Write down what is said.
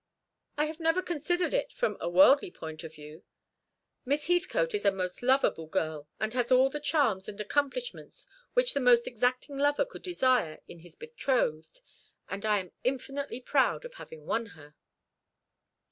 "I have never considered it from a worldly point of view. Miss Heathcote is a most lovable girl, and has all the charms and accomplishments which the most exacting lover could desire in his betrothed. I am infinitely proud of having won her."